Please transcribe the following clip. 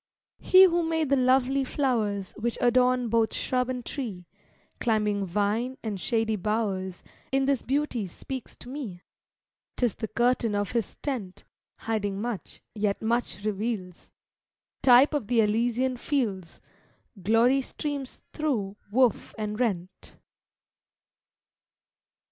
He who made the lovely flowers Which adorn both shrub and tree, Climbing vine, and shady bowers, In this beauty speaks to me: 'Tis the curtain of His tent, Hiding much, yet much reveals, Type of the Elysian fields; Glory streams thro' woof and rent.